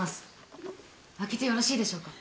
開けてよろしいでしょうか？